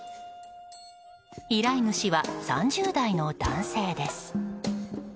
依頼主は、３０代の男性です。